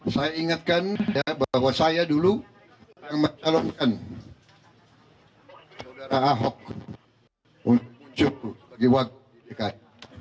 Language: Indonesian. saya ingatkan bahwa saya dulu yang mencalonkan saudara ahok untuk muncul sebagai wakil dki